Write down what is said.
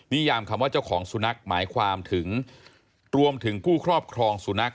ยามคำว่าเจ้าของสุนัขหมายความถึงรวมถึงผู้ครอบครองสุนัข